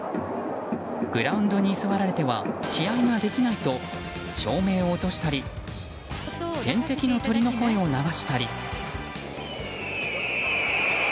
グラウンドに居座られては試合ができないと照明を落としたり天敵の鳥の声を流したり。